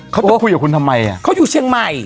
เขาจะคุยกับคุณทำไมอ่ะเขาอยู่เชียงใหม่